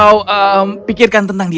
baiklah apa kau pikirkan tentang dia